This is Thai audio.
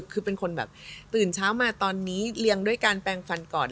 คือเป็นคนแบบตื่นเช้ามาตอนนี้เรียงด้วยการแปลงฟันก่อน